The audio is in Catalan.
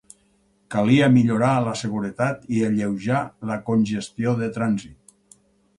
Calia millorar la seguretat i alleujar la congestió de trànsit.